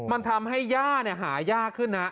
มันทำให้ย่าหายากขึ้นนะ